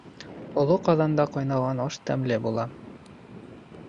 Оло ҡаҙанда ҡайнаған аш тәмле була.